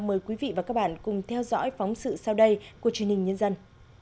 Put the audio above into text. mời quý vị và các bạn cùng theo dõi phóng sự sau đây của truyền hình nhân dân